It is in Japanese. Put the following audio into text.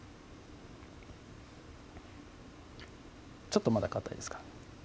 ちょっとまだかたいですか？